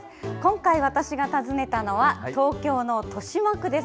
今回は私が訪ねたのは、東京の豊島区です。